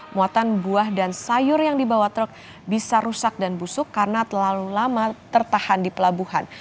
muatan buah dan sayur yang dibawa truk bisa rusak dan busuk karena terlalu lama tertahan di pelabuhan